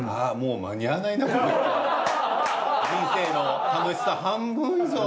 人生の楽しさ半分以上。